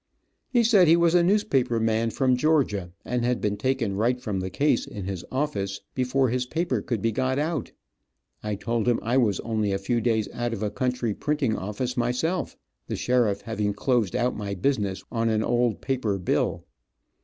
He said he was a newspaper man from Georgia, and had been taken right from the case in his office before his paper could be got out. I told him I was only a few days out of a country printing office my self, the sheriff having closed out my business on an old paper bill.